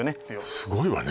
すごいわね